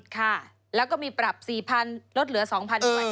ค่ะแล้วก็มีปรับ๔๐๐๐ลดเหลือ๒๐๐ด้วย